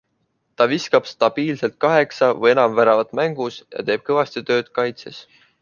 Ta viskab stabiilselt kaheksa või enam väravat mängus ja teeb kõvasti tööd ka kaitses.